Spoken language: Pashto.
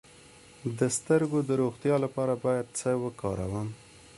د سترګو د روغتیا لپاره باید څه وکاروم؟